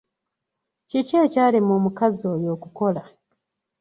Kiki ekyalema omukaazi oyo okukola?